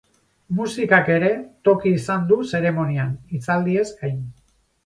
Musikak ere toki izan du zeremonian, hitzaldiez gain.